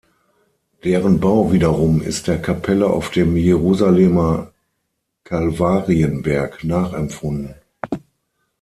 Deren Bau wiederum ist der Kapelle auf dem Jerusalemer Kalvarienberg nachempfunden.